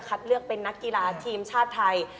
เลือกเป็นนักกีฬาทีมชาติไทย